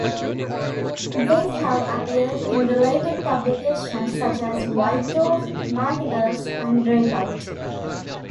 These have appeared in related publications such as "White Dwarf", "Multiverse" and "Breakout!".